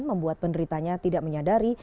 membuat penderitanya tidak menyadari